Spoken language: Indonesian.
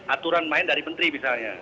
aturan main dari menteri misalnya